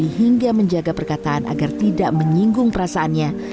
hingga menjaga perkataan agar tidak menyinggung perasaannya